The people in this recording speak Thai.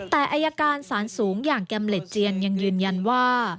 แต่อายการสารสูงอย่างแกมเล็ตเจียนยังยืนยันว่า